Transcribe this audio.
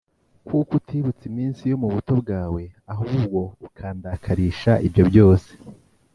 Kuko utibutse iminsi yo mu buto bwawe, ahubwo ukandakarisha ibyo byose